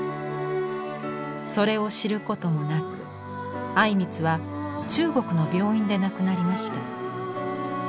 それを知ることもなく靉光は中国の病院で亡くなりました。